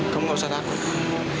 kamu gak usah takut